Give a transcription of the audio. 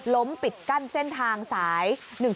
ล้มปิดกั้นเส้นทางสาย๑๐๘